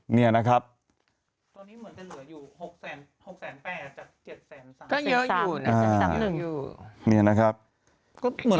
แอรี่แอรี่แอรี่แอรี่